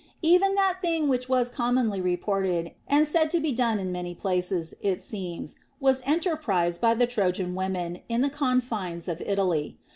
Even that thing which was com monly reported and said to be done in many places, it seems, was entcrprised by the Trojan women in the con fines of Italy.